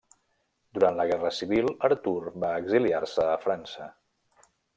Durant la guerra civil Artur va exiliar-se a França.